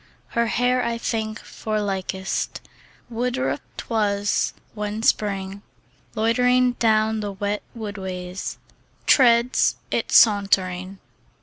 Her hair I think; for likest Woodruffe 'twas, when Spring Loitering down the wet woodways Treads it sauntering.